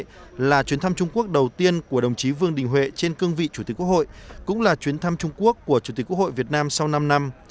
đây là chuyến thăm trung quốc đầu tiên của đồng chí vương đình huệ trên cương vị chủ tịch quốc hội cũng là chuyến thăm trung quốc của chủ tịch quốc hội việt nam sau năm năm